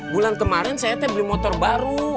bulan kemarin saya beli motor baru